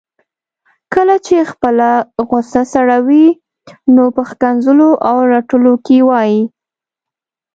کله چي خپله غصه سړوي نو په ښکنځلو او رټلو کي وايي